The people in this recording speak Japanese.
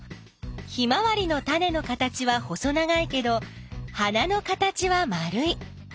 ヒマワリのタネの形は細長いけど花の形は丸い。